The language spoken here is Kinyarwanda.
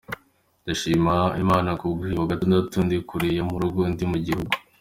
Ndashima Imana kubwuyu wa Gatandatu ndi kure yo mu rugo, ndi mu gihugu.